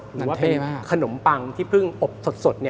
หรือว่าเป็นขนมปังที่เพิ่งอบสด